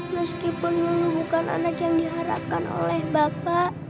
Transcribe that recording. meskipun ini bukan anak yang diharapkan oleh bapak